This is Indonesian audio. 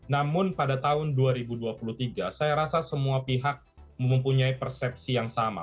namun pada tahun dua ribu dua puluh tiga saya rasa semua pihak mempunyai persepsi yang sama